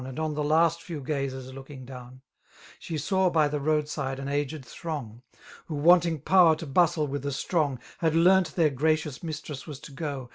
And on tiie last few gazers looking down> She saw by the road side an aged throng. Who wanting powar to bustle with the strong, "^ Had learnt their gracious mistress was to go.